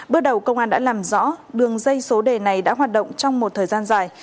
bước đầu công an đã làm rõ đường dây số đề này đã hoạt động trong một thời gian dài